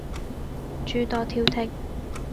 諸多挑剔